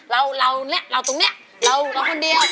เราตรงเนี่ย